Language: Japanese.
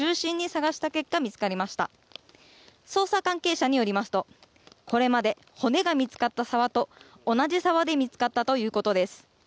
捜査関係者によりますとこれまで骨が見つかった沢と同じ沢で見つかったということです。